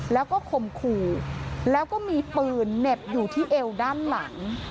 แล้วก็ข่มขู่แล้วก็มีปืนเหน็บอยู่ที่เอวด้านหลัง